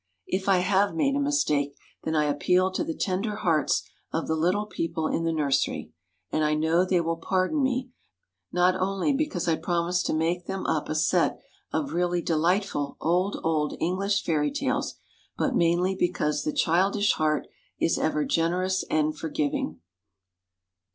If I have made a mistake, then I appeal to the tender hearts of the little people in the nursery and I know they will pardon me, not only because I promise to make them up a set of really delightful old, old English Fairy Tales, but mainly because the childish heart is ever generous and forgiving.